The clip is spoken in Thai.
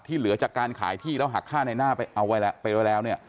ที่เหลือจากการขายที่แล้วหักค่าในน่าไปเอาไว้แล้ว